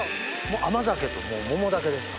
甘酒と桃だけですか？